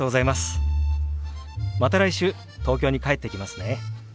また来週東京に帰ってきますね。